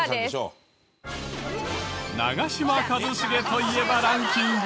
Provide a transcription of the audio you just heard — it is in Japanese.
「長嶋一茂」といえばランキング。